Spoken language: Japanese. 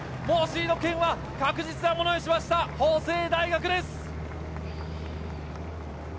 もうシード権は確実なものにしました、法政大学です。